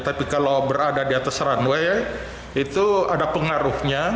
tapi kalau berada di atas runway itu ada pengaruhnya